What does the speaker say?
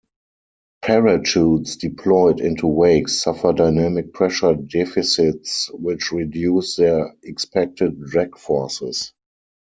Parachutes deployed into wakes suffer dynamic pressure deficits which reduce their expected drag forces.